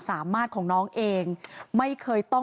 ปี๖๕วันเช่นเดียวกัน